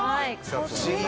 不思議。